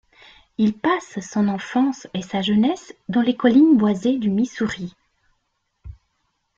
Il passe son enfance et sa jeunesse dans les collines boisées du Missouri.